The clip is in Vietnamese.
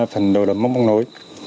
phần đầu là móc móc nối